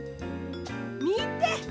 みて！